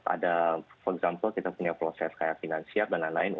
ada for example kita punya proses kaya finansia dan lain lain untuk